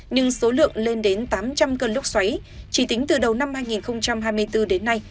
nhưng số lượng lên đến tám trăm linh cơn lốc xoáy chỉ tính từ đầu năm hai nghìn hai mươi bốn đến nay